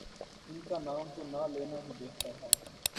ان کا نام تو نہ لینا ہی بہتر ہے۔